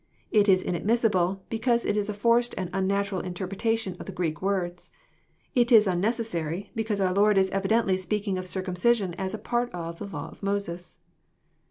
It is inadmissible, because it is a forced and unnatural interpretation of the Greek words. It is unnecessary, because our Lord is evidently speaking of circumcision as part of " the law of Moses."